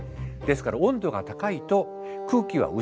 ですから温度が高いと空気は薄くなる。